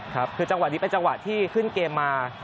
ครับคือจังหวะนี้เป็นจังหวะที่ขึ้นเกมมา